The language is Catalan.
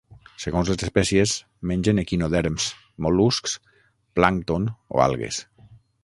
Segons les espècies mengen equinoderms, mol·luscs, plàncton o algues.